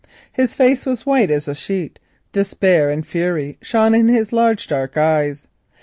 His face was white as a sheet; despair and fury shone in his dark eyes.